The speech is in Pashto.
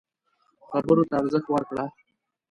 خبرو ته ارزښت ورکړه.